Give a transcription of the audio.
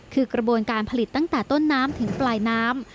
คือกระบวนการผลิตตั้งแต่ต้นน้ำถึงปลายน้ำ